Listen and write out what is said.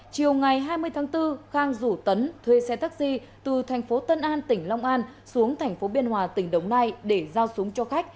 chiều ngày hai mươi tháng bốn khang rủ tấn thuê xe taxi từ thành phố tân an tỉnh long an xuống thành phố biên hòa tỉnh đồng nai để giao súng cho khách